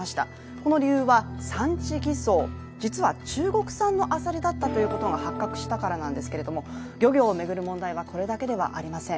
この理由は産地偽装、実は中国産のアサリだったということが発覚したからなんですが、漁業を巡る問題はこれだけではありません。